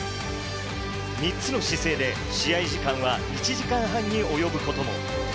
３つの姿勢で、試合時間は１時間半に及ぶことも。